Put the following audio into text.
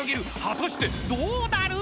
果たしてどうなる⁉］